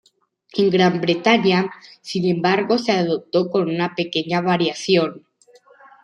En Gran Bretaña sin embargo se adoptó con una pequeña variación.